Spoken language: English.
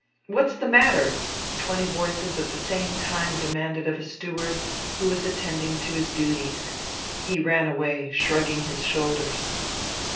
What's the matter?" twenty voices at the same time demanded of a steward, who was attending to his duties. He ran away, shrugging his shoulders.